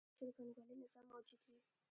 تر څو چې د پانګوالي نظام موجود وي